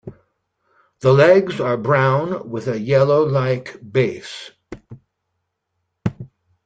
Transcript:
The legs are brown with a yellow like base.